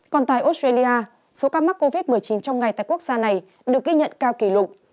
còn tại australia số ca mắc covid một mươi chín trong ngày tại quốc gia này được ghi nhận cao kỷ lục